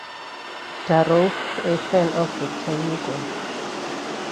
Darrough, a fan of Victor Hugo.